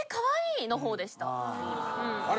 あれ？